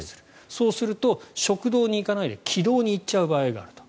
そうすると、食道に行かないで気道に行っちゃう場合があると。